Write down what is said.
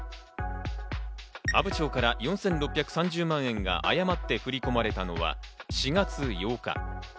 阿武町から４６３０万円が誤って振り込まれたのは４月８日。